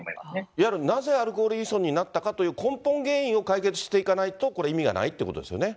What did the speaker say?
いわゆるなぜアルコール依存になったかという根本原因を解決していかないと、これ、意味がないということですね。